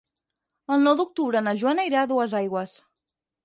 El nou d'octubre na Joana irà a Duesaigües.